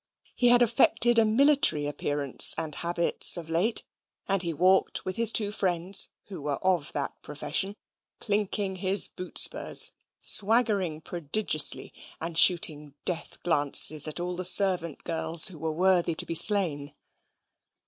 He had affected a military appearance and habits of late; and he walked with his two friends, who were of that profession, clinking his boot spurs, swaggering prodigiously, and shooting death glances at all the servant girls who were worthy to be slain.